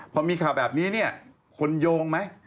พอมีข่าวแบบนี้เนี่ยคนโยงไหม